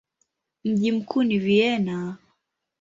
Mji mkuu ni Vienna.